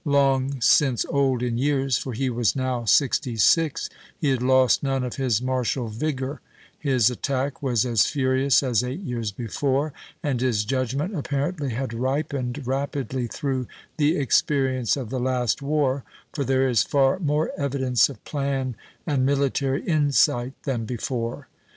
Long since old in years, for he was now sixty six, he had lost none of his martial vigor; his attack was as furious as eight years before, and his judgment apparently had ripened rapidly through the experience of the last war, for there is far more evidence of plan and military insight than before.